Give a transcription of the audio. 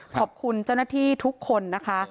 ขอบคุณเจ้าหน้าที่ทุกคนนะคะ